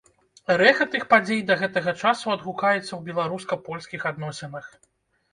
Рэха тых падзей да гэтага часу адгукаецца ў беларуска-польскіх адносінах.